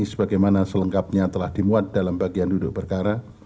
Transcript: sebagaimana selengkapnya telah dimuat dalam bagian duduk perkara